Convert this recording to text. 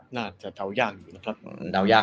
น่าจะเดายากอยู่นะครับ